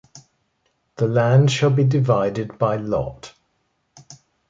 The land shall be divided by lot.